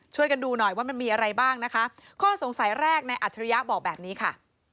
ช่วยกันดูหน่อยว่ามันมีอะไรบ้างนะคะข้อสงสัยแรกในอัจฉริยะบอกแบบนี้ค่ะ